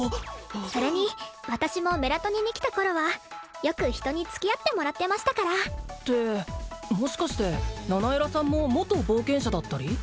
それに私もメラトニに来た頃はよく人に付き合ってもらってましたからってもしかしてナナエラさんも元冒険者だったり？